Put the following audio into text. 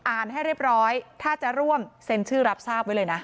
ให้เรียบร้อยถ้าจะร่วมเซ็นชื่อรับทราบไว้เลยนะ